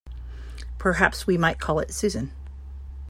Perhaps we might call it Susan.